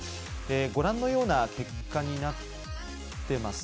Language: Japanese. ご覧のような結果になっています。